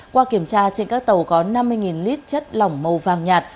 qua kiểm tra trên các tàu có năm mươi lít chất lỏng màu vàng nhạt